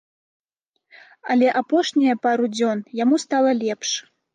Але апошнія пару дзён яму стала лепш.